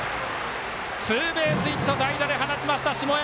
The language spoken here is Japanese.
ツーベースヒット代打で放ちました、下山！